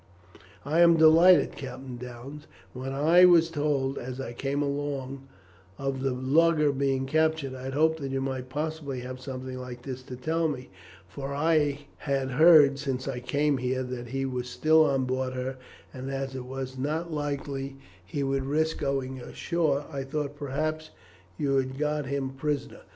"I am delighted, Captain Downes. When I was told, as I came along, of the lugger being captured, I hoped that you might possibly have something like this to tell me, for I had heard, since I came here, that he was still on board her, and as it was not likely he would risk going ashore, I thought perhaps you had got him prisoner.